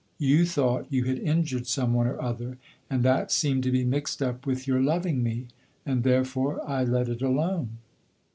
You thought you had injured some one or other, and that seemed to be mixed up with your loving me, and therefore I let it alone."